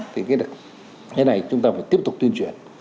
thế này chúng ta phải tiếp tục tuyên truyền